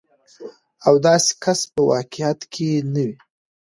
او داسې کس په واقعيت کې نه وي.